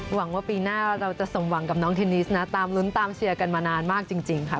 หวังว่าปีหน้าเราจะสมหวังกับน้องเทนนิสนะตามลุ้นตามเชียร์กันมานานมากจริงค่ะ